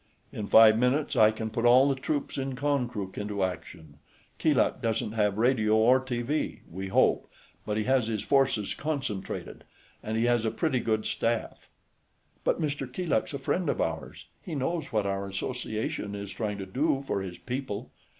"In five minutes, I can put all the troops in Konkrook into action. Keeluk doesn't have radio or TV we hope but he has his forces concentrated, and he has a pretty good staff." "But Mr. Keeluk's a friend of ours. He knows what our Association is trying to do for his people...."